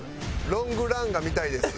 ロングランが見たいです。